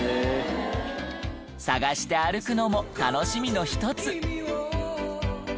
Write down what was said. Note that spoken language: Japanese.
探して歩くのも楽しみの一つ。